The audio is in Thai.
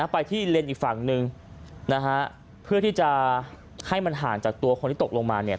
ไปที่เลนส์อีกฝั่งหนึ่งนะฮะเพื่อที่จะให้มันห่างจากตัวคนที่ตกลงมาเนี่ย